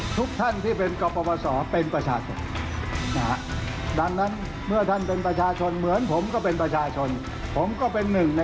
สวัสดีค่ะคุณผู้ชมค่ะ